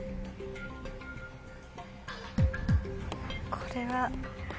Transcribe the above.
これは。